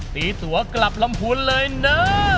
ตีตัวกลับลำพูนเลยนะ